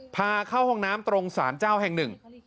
พาเข้าห้องน้ำตรงสารเจ้าแห่งหนึ่ง